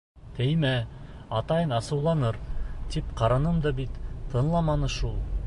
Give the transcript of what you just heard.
Теймә... атайың асыуланыр, тип ҡараным да бит, тыңламаны шул...